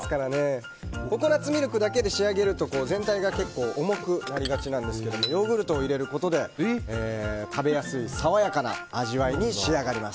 ココナツミルクだけで仕上げると全体が結構重くなりがちなんですけどヨーグルトを入れることで食べやすい爽やかな味わいに仕上がります。